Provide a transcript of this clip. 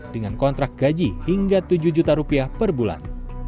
dengan kontrak gaji hingga tujuh juta rupiah per bulan